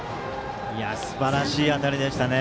すばらしい当たりでした。